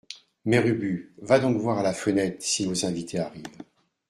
Mère Ubu, va donc voir à la fenêtre si nos invités arrivent.